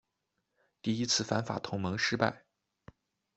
第一次反法同盟失败。